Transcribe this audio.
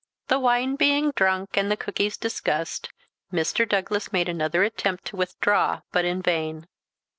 The wine being drunk, and the cookies discussed, Mr. Douglas made another attempt to withdraw, but in vain.